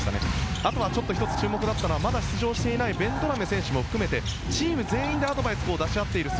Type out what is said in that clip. あと注目だったのはまだ出場していないベンドラメ選手も含めてチーム全員でアドバイスを出し合っている姿。